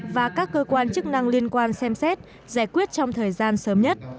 và các cơ quan chức năng liên quan xem xét giải quyết trong thời gian sớm nhất